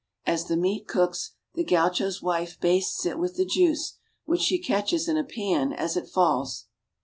As the meat cooks, the gaucho's wife bastes it with the juice, which she catches in a pan as it falls.